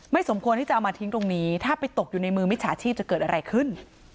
สมควรที่จะเอามาทิ้งตรงนี้ถ้าไปตกอยู่ในมือมิจฉาชีพจะเกิดอะไรขึ้น